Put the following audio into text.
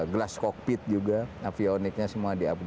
glass cockpit juga avioniknya semua diupgrade